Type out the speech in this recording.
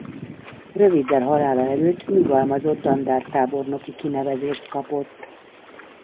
Röviddel halála előtt nyugalmazott dandártábornoki kinevezést kapott.